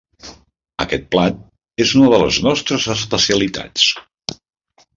Aquest plat és una de les nostres especialitats.